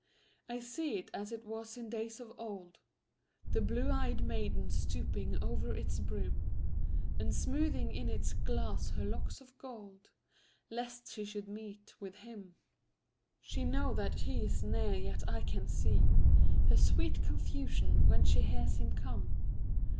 I see it as it was in days of old, The blue ey'd maiden stooping o'er its brim, And smoothing in its glass her locks of gold, Lest she should meet with him. She knows that he is near, yet I can seeHer sweet confusion when she hears him come.